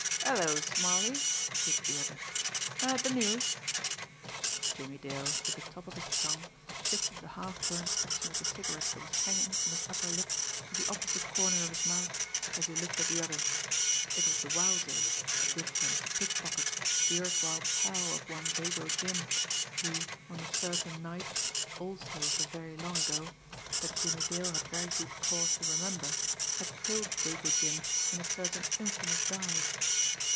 "'Ello, Smarly!" greeted the other. "Heard de news?" Jimmie Dale, with the top of his tongue, shifted the half burnt section of the cigarette that was hanging from his upper lip to the opposite corner of his mouth, as he looked at the other. It was the Wowzer, dip and pick pocket, the erstwhile pal of one Dago Jim, who, on a certain night, also of the very long ago, that Jimmie Dale had very good cause to remember, had killed Dago Jim in a certain infamous dive.